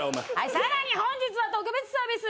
さらに本日は特別サービス！